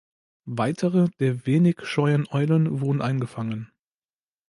Weitere der wenig scheuen Eulen wurden eingefangen.